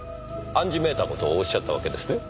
暗示めいた事をおっしゃったわけですね。